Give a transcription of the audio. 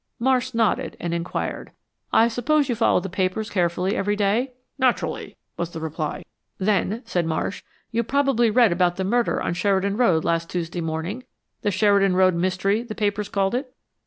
Marsh nodded, and inquired, "I suppose you follow the papers carefully every day?" "Naturally," was the reply. "Then," said Marsh, "you probably read about the murder on Sheridan Road last Tuesday morning the Sheridan Road Mystery, the papers called it."